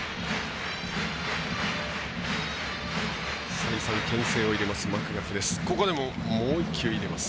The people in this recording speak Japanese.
再三、けん制を入れるマクガフです。